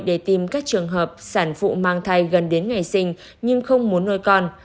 để tìm các trường hợp sản phụ mang thai gần đến ngày sinh nhưng không muốn nuôi con